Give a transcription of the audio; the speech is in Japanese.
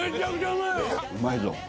うまいぞ。